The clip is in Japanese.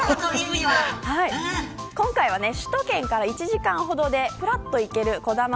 今回は首都圏から１時間ほどでふらっと行けるこだま